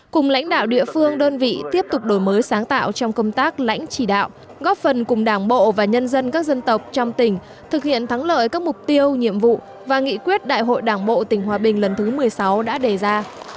cùng lãnh đạo địa phương đơn vị tiếp tục đổi mới sáng tạo trong công tác lãnh chỉ đạo góp phần cùng đảng bộ và nhân dân các dân tộc trong tỉnh thực hiện thắng lợi các mục tiêu nhiệm vụ và nghị quyết đại hội đảng bộ tỉnh hòa bình lần thứ một mươi sáu đã đề ra